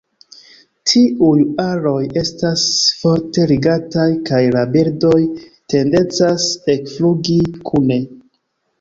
Tiuj aroj estas forte ligataj kaj la birdoj tendencas ekflugi kune.